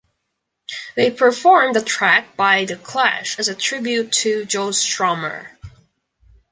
They performed a track by The Clash as a tribute to Joe Strummer.